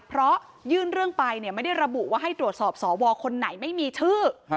เพราะยื่นเรื่องไปไม่ได้ระบุว่าให้ตรวจสอบสวคนไหนไม่มีชื่อ